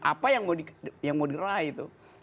apa yang mau dirai itu